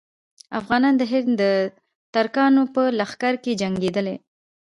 افغانان د هند د ترکانو په لښکرو کې جنګېدلي.